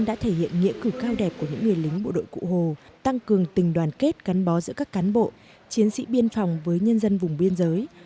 đã thể hiện nghĩa cử cao đẹp của những người lính bộ đội cụ hồ tăng cường tình đoàn kết gắn bó giữa các cán bộ chiến sĩ biên phòng với nhân dân vùng biên giới